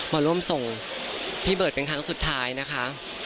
มาร่วมส่งพี่เบิร์ดเป็นครั้งสุดท้ายนะคะ